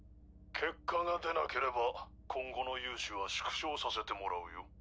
結果が出なければ今後の融資は縮小させてもらうよ。